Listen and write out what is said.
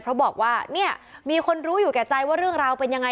เพราะบอกว่าเนี่ยมีคนรู้อยู่แก่ใจว่าเรื่องราวเป็นยังไง